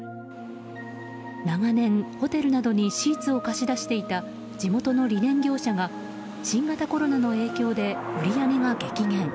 長年、ホテルなどにシーツを貸し出していた地元のリネン業者が新型コロナの影響で売り上げが激減。